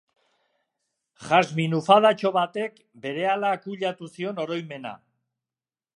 Jasminufadatxo batek berehala akuilatu zion oroimena.